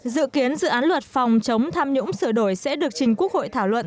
dự kiến dự án luật phòng chống tham nhũng sửa đổi sẽ được trình quốc hội thảo luận